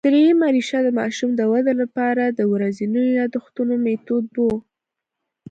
درېیمه ریښه د ماشوم د ودې له پاره د ورځينو یادښتونو مېتود وو